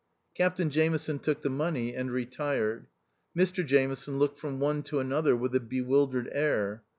Captain Jameson took the money and retired. Mr Jameson looked from one to another with a bewildered air.